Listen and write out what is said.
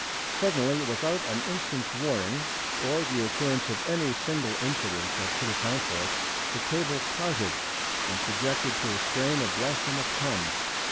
Suddenly without an instant's warning, or the occurrence of any single incident that could account for it, the cable parted when subjected to a strain of less than a ton.